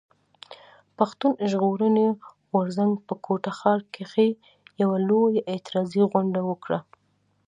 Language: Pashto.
پښتون ژغورني غورځنګ په کوټه ښار کښي يوه لويه اعتراضي غونډه وکړه.